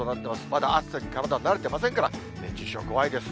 まだ暑さに体、慣れてませんから、熱中症、怖いです。